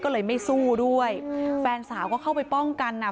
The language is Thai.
ก็เลยไม่สู้ด้วยแฟนสาวก็เข้าไปป้องกันอ่ะ